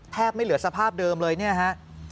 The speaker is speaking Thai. ไม่เหลือสภาพเดิมเลยเนี่ยฮะ